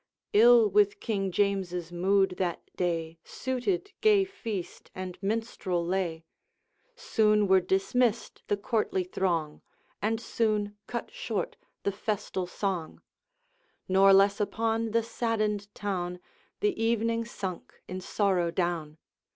Ill with King James's mood that day Suited gay feast and minstrel lay; Soon were dismissed the courtly throng, And soon cut short the festal song. Nor less upon the saddened town The evening sunk in sorrow down.